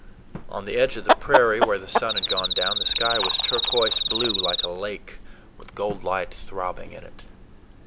On the edge of the prairie, where the sun had gone down, the sky was turquoise blue, like a lake, with gold light throbbing in it.